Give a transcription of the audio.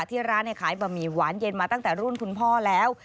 ที่ร้านขายบะหมี่หวานเย็นมาตั้งแต่รุ่นคุณพ่อแล้ว